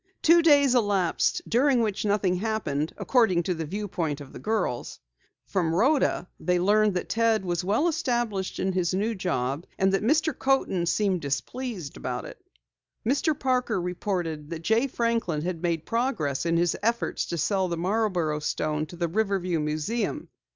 Two days elapsed during which nothing happened, according to the viewpoint of the girls. From Rhoda they learned that Ted was well established in his new job, and that Mr. Coaten seemed displeased about it. Mr. Parker reported that Jay Franklin had made progress in his efforts to sell the Marborough stone to the Riverview Museum.